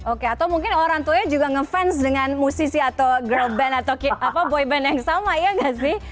oke atau mungkin orang tuanya juga ngefans dengan musisi atau girl band atau boyband yang sama ya gak sih